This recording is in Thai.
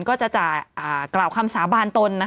ก็จะกล่าวคำสาบานตน